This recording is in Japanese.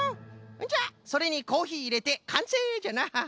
じゃあそれにコーヒーいれてかんせいじゃな！